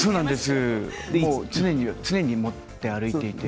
常に持って歩いていて。